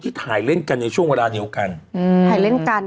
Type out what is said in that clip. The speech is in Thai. ถ่ายเล่นกันในช่วงเวลาเดียวกันอืมถ่ายเล่นกัน